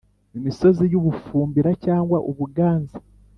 imisozi y u Bufumbira cyangwa ubuganza